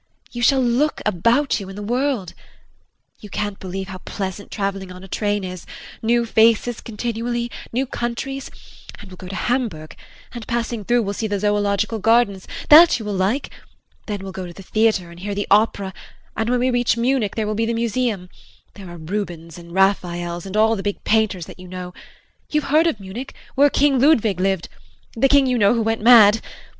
You shall look about you in the world. You can't believe how pleasant traveling on a train is new faces continually, new countries and we'll go to Hamburg and passing through we'll see the zoological gardens that you will like then we'll go to the theatre and hear the opera and when we reach Munich there will be the museum there are Rubins and Raphaels and all the big painters that you know you have heard of Munich where King Ludwig lived the King, you know, who went mad.